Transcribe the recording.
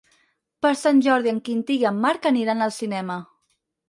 Per Sant Jordi en Quintí i en Marc aniran al cinema.